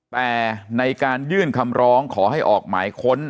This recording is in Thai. แต่ในการยื่นคำร้องขอให้ออกหมายค้น